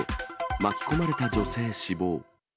巻き込まれた女性死亡。